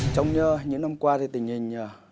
trong những năm qua thì tình hình